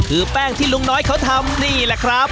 คือแป้งที่ลุงน้อยเขาทำนี่แหละครับ